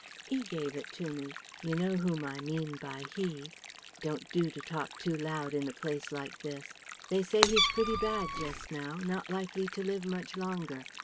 He gave it to me you know whom I mean by 'He'? ... don't do to talk too loud in a place like this.... They say he's pretty bad just now, not likely to live much longer.